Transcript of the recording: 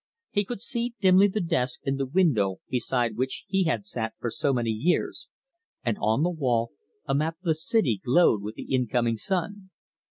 He could see dimly the desk and the window beside which he had sat for so many years, and on the wall a map of the city glowed with the incoming sun.